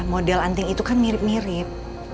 model anting itu kan mirip mirip